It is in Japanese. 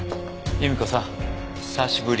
由美子さん久しぶり。